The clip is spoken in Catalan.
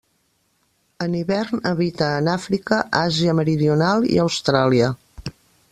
En hivern habita en Àfrica, Àsia Meridional i Austràlia.